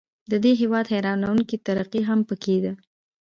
د دې هیواد حیرانوونکې ترقي هم پکې ده.